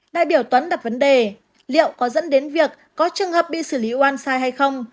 đại biểu toán đặt vấn đề liệu có dẫn đến việc có trường hợp bị xử lý oan sai hay không